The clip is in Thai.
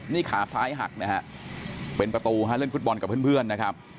นี่ขาซ้ายหักนะฮะเป็นประตูฮะเล่นฟุตบอลกับเพื่อนนะครับ